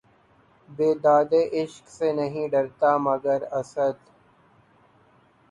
بیدادِ عشق سے نہیں ڈرتا، مگر اسد!